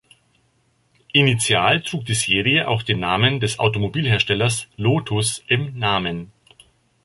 Initial trug die Serie auch den Namen des Automobilherstellers Lotus im Namen.